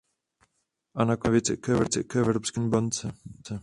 A nakonec jedna věc k Evropské centrální bance.